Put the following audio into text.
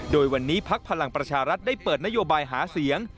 โดยวันนี้พักพลังประชารัฐได้เปิดนโยบายหาเสียง